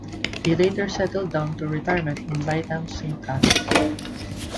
He later settled down to retirement in Lytham Saint Annes.